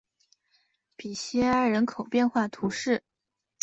比西埃人口变化图示